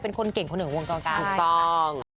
เป็นคนเก่งคนเหนือวงกลางการณ์นะครับใช่ถูกต้อง